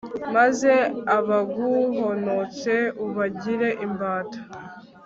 maze abaguhonotse ubagire imbata